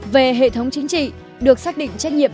về hệ thống chính trị được xác định trách nhiệm